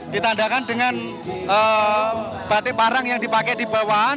ditandakan dengan batik parang yang dipakai di bawahan